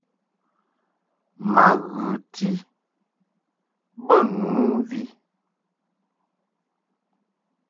Ma ghɨti bə nu mvi.